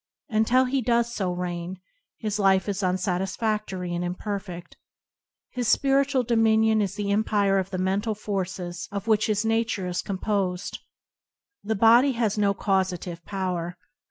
Until he does so reign, his life is unsatisfa&ory and imperfeft. His spiritual dominion is the empire of the mental forces of which his nature is com posed. The body has no causative power.